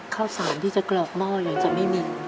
ข้าวสารที่จะกรอกหม้อเลยจะไม่มี